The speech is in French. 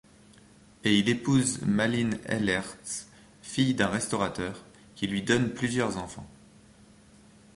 Il y épouse Malin Ellertz, fille d'un restaurateur, qui lui donne plusieurs enfants.